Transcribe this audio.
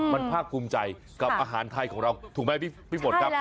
พลาดคุมใจกับอาหารไทยของเราใช่ไหม